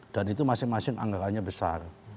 dan itu masing masing anggarannya besar